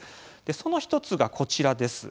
その１つが、こちらです。